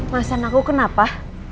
mas anak aku kenapa